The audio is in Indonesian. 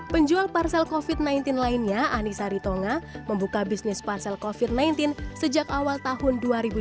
penjual parsel covid sembilan belas lainnya anissa ritonga membuka bisnis parsel covid sembilan belas sejak awal tahun dua ribu dua puluh